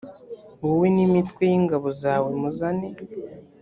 wowe n ‘imitwe y ‘ingabo zawe muzane.